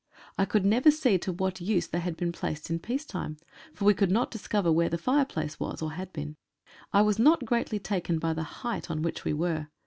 I could never see to what use they had been placed in peace time, for we could not discover where the fire place was or had been. I was not greatly taken by the height on which we were.